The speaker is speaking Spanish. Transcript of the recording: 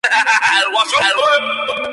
Había nacido.